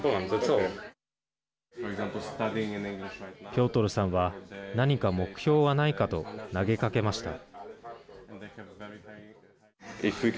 ピョートルさんは何か目標はないかと投げかけました。